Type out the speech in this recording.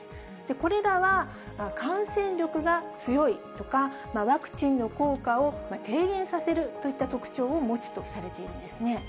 これらは感染力が強いとか、ワクチンの効果を低減させるといった特徴を持つとされているんですね。